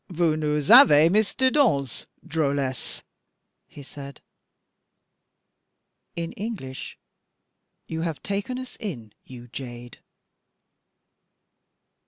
"Vous nous avez mis dedans, drolesse!"* he said. *In English: "You have taken us in, you jade!"